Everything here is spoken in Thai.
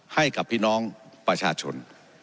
ให้กับพี่น้องประชาชน